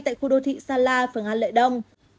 tại khu đô thị sa la phường an lệ đông